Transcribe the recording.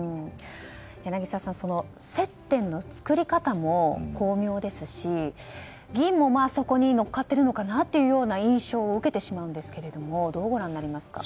柳澤さん、接点の作り方も巧妙ですし、議員もそこに乗っかっているのかなという印象を受けてしまうんですけれどどうご覧になりますか。